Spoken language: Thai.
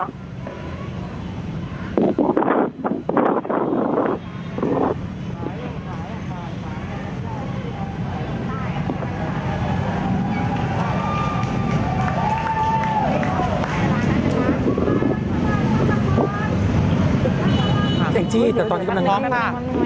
เสียงจี้แต่ตอนนี้กำลังร้องค่ะ